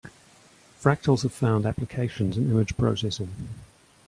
Fractals have found applications in image processing.